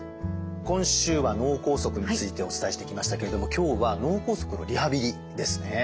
今週は「脳梗塞」についてお伝えしてきましたけれども今日は脳梗塞のリハビリですね。